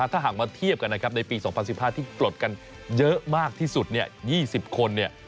ถ้าหากมาเทียบกันนะครับในปี๒๐๑๕ที่ปลดกันเยอะมากที่สุด๒๐คนเนี่ย